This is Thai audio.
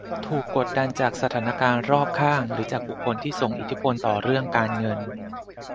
ถูกกดดันจากสถานการณ์รอบข้างหรือจากบุคคลที่ส่งอิทธิพลต่อเรื่องการเงิน